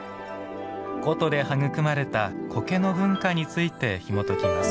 古都で育まれた「苔」の文化についてひもときます。